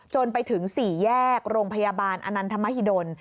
จนไปถึง๔แยกโรงพยาบาลอนันทมหิดล